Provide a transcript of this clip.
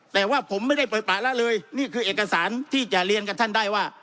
แต่ว่าผมไม่ได้ปล่อยปะละเลยนี่คือเอกสารที่จะเรียนกับท่านได้ว่า